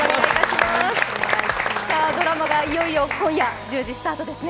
ドラマがいよいよ今夜１０時スタートですね。